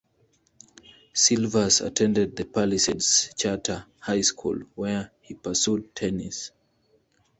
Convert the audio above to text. Silvers attended the Palisades Charter High School where she pursued tennis.